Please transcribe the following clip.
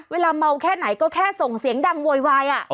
เวลาเมาแค่ไหนก็แค่ส่งเสียงดังโวยวาย